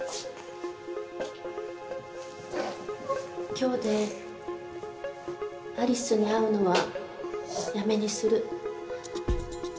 今日でアリスに会うのはやめにする。